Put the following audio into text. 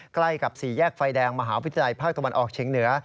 ใกล้กับสี่แยกไฟแดงมหาวิทยาลัยภาคตะวันออกเฉียงเหนือ